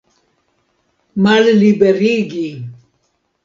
Malliberigi!